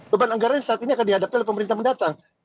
beban anggaran yang saat ini akan dihadapi oleh pemerintah mendatang